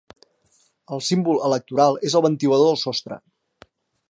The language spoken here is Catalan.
El símbol electoral és el ventilador de sostre.